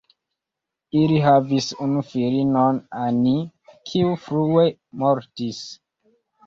Ili havis unu filinon Annie, kiu frue mortis.